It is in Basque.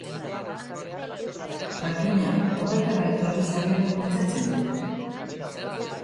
Delitu gehienak zigorrik jaso gabe geratzen direlako.